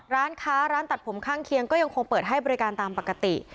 ร้านค้าร้านตัดผมข้างเคียงก็ยังคงเปิดให้บริการตามปกติ